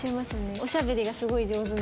おしゃべりがすごい上手な。